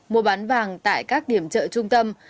mua bán vàng tại các điểm chợ trung tâm